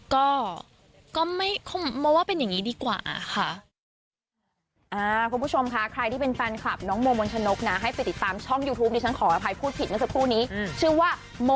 ก็ก็ไม่คงมันว่าเป็นอย่างนี้ดีกว่าค่ะ